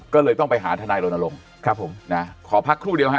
ก็เลยต้องไปหาทนายรณรงค์ครับผมนะขอพักครู่เดียวฮะ